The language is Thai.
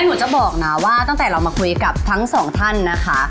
หนูจะบอกนะว่าตั้งแต่เรามาคุยกับทั้งสองท่านนะคะ